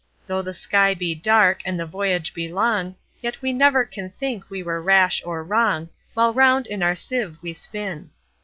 Though the sky be dark, and the voyage be long, Yet we never can think we were rash or wrong, While round in our sieve we spin."